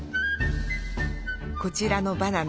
こちらのバナナ